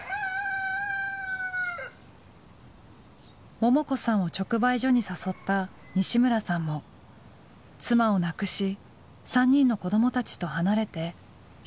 ももこさんを直売所に誘った西村さんも妻を亡くし３人の子どもたちと離れて独り暮らしをしています。